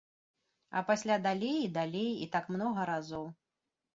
А пасля далей і далей, і так многа разоў.